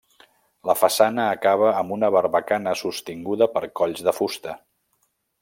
La façana acaba amb una barbacana sostinguda per colls de fusta.